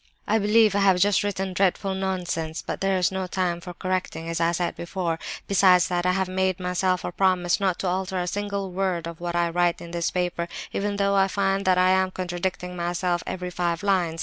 "I believe I have just written dreadful nonsense; but there's no time for correcting, as I said before. Besides that, I have made myself a promise not to alter a single word of what I write in this paper, even though I find that I am contradicting myself every five lines.